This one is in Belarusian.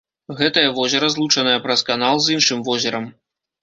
Гэтае возера злучанае праз канал з іншым возерам.